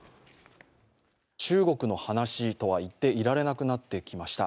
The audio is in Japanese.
中国の話とは言っていられなくなってきました。